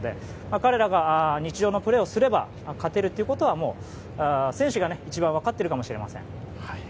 彼らが日常のプレーをすれば勝てるということは選手が一番分かっているかもしれません。